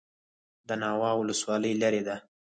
ناوه ولسوالۍ لیرې ده؟